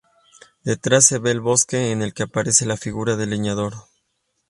Detrás se ve el bosque, en el que aparece la figura del leñador.